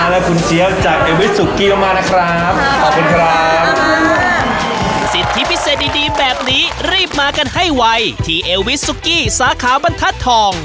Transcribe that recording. ศิษย์ที่พิเศษดีดีแบบนี้รีบมากันให้ไวที่เอวิ้ดซุกี้สาขาบรรทัดทอง